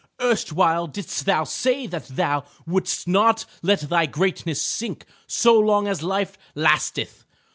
Erstwhile didst thou say that thou wouldst not let thy greatness sink so long as life lasteth.